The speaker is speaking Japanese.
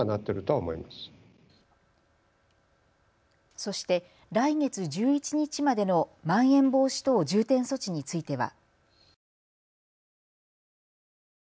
そして来月１１日までのまん延防止等重点措置については。